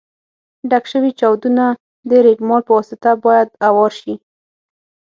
ډک شوي چاودونه د رېګمال په واسطه باید اوار شي.